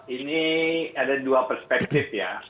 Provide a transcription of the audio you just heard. ini ada dua perspektif ya